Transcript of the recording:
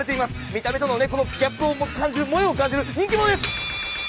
見た目とのねこのギャップを感じる萌えを感じる人気者です。